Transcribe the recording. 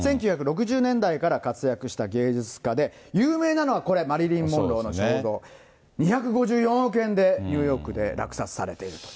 １９６０年代から活躍した芸術家で、有名なのはこれ、マリリン・モンローの肖像、２５４億円でニューヨークで落札されていると。